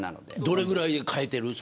どれぐらいで替えてる。